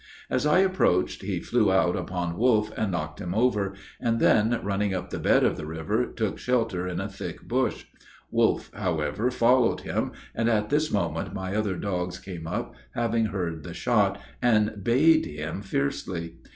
As I approached, he flew out upon Wolf and knocked him over, and then, running up the bed of the river, took shelter in a thick bush: Wolf, however, followed him, and at this moment my other dogs came up, having heard the shot, and bayed him fiercely.